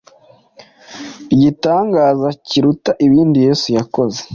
Igitangaza kiruta ibindi Yesu yakoze